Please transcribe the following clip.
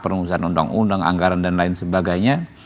perumusan undang undang anggaran dan lain sebagainya